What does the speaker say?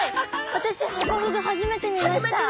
私ハコフグ初めて見ました。